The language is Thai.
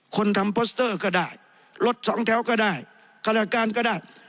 คนทำโปสเตอร์ก็ได้รถสองแถวก็ได้ฆาตการก็ได้